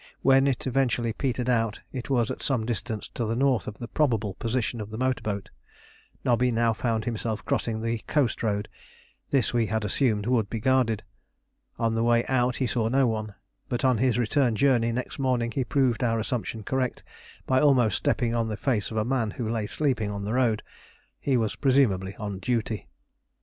When it eventually petered out it was at some distance to the north of the probable position of the motor boat. Nobby now found himself crossing the coast road; this we had assumed would be guarded. On the way out he saw no one; but on his return journey next morning he proved our assumption correct by almost stepping on the face of a man who lay sleeping on the road. He was presumably on duty.